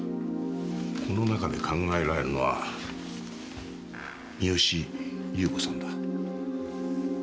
この中で考えられるのは三好裕子さんだ。